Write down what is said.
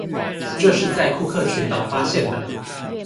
這是在庫克群島發現的。